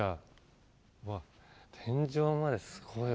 わっ天井まですごいわ。